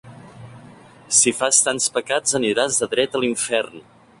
Si fas tants pecats aniràs de dret a l'infern!